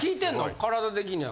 身体的には。